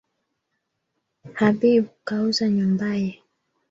Habib kauza nyumbaye